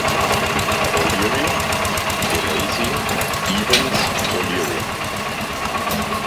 O’Leary, De Lacy Evans O’Leary